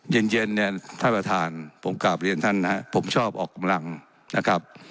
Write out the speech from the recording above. เย็นเย็นเนี่ยท่านประธานผมกลับเรียนท่านนะครับผมชอบออกกำลังนะครับ